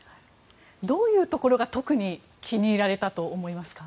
どういうところが特に気に入られたと思いますか？